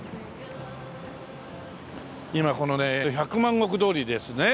今このね百万石通りですね。